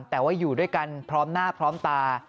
แต่ว่าอยู่ด้วยกันพร้อมหน้าพร้อมตา